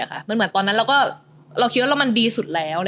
เหมือนตอนนั้นเราก็คิดว่าเรามันดีสุดแล้ว